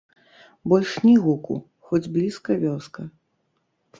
Больш ні гуку, хоць блізка вёска.